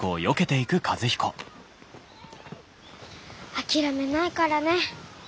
諦めないからね。